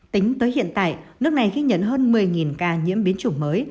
tính tới hiện tại nước này ghi nhận hơn một mươi ca nhiễm biến chủng mới